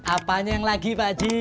apanya yang lagi pak haji